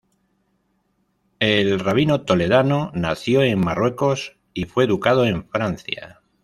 El rabino Toledano nació en Marruecos y fue educado en Francia.